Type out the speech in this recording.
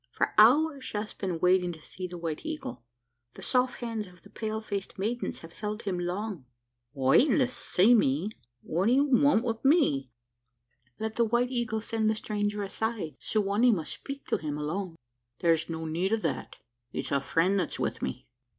For hours she has been waiting to see the White Eagle. The soft hands of the pale faced maidens have held him long." "Waitin' to see me! What do you want wi' me?" "Let the White Eagle send the stranger aside. Su wa nee must speak to him alone." "Thar's no need o' that: it's a friend that's wi' me."